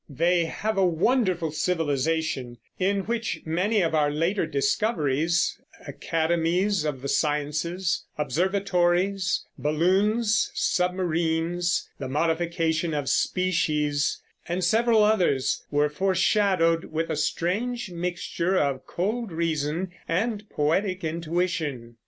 They have a wonderful civilization, in which many of our later discoveries academies of the sciences, observatories, balloons, submarines, the modification of species, and several others were foreshadowed with a strange mixture of cold reason and poetic intuition.